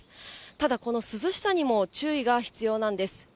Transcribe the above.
ただ、この涼しさにも注意が必要なんです。